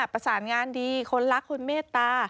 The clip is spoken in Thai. ประสานงานดีคนรักคนเมตตา